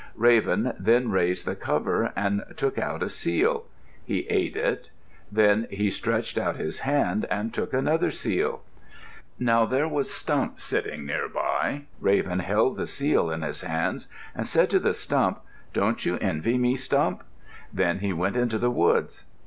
Raven then raised the cover and took out a seal. He ate it. Then he stretched out his hand and took another seal. Now there was Stump sitting nearby. Raven held the seal in his hands and said to the stump, "Don't you envy me, Stump?" Then he went into the woods.